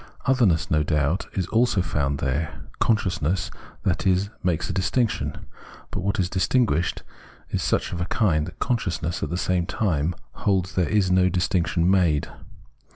Otherness, no doubt, is also found there ; consciousness, that is, makes a distinction ; but what is distinguished is of such a kind that conscious ness, at the same time, holds there is no distinction made.